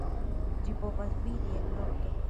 Ĝi povas vidi en nokto.